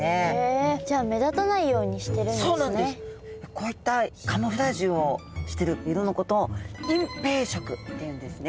こういったカムフラージュをしてる色のことを隠蔽色っていうんですね。